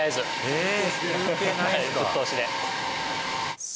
へえ。